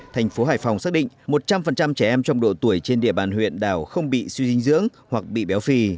thành phố hải phòng xác định một trăm linh trẻ em trong độ tuổi trên địa bàn huyện đảo không bị suy dinh dưỡng hoặc bị béo phì